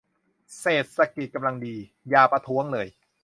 เศรษฐกิจกำลังดี อย่าประท้วงเลย